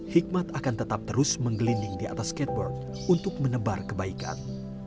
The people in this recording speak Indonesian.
hikmat akan tetap terus menggelinding di atas skateboard untuk menebar kebaikan